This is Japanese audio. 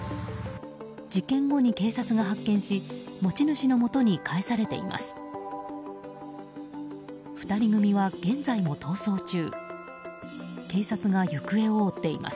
事件後に警察が発見し持ち主のもとに返されています。